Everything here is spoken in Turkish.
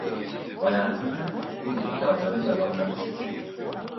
Valentina bu iddiaları yalanlamıştır.